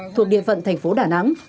thuộc địa phận thành phố đà nẵng